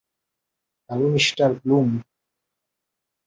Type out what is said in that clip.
Hello, Mr Bloom.